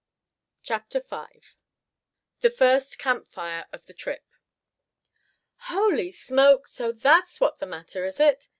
CHAPTER V THE FIRST CAMP FIRE OF THE TRIP "Holy smoke! so that's what the matter, is it?"